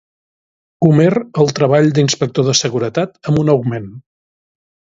Homer el treball d'Inspector de Seguretat, amb un augment.